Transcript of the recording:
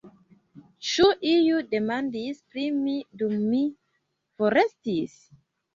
Ĉu iu demandis pri mi dum mi forestis?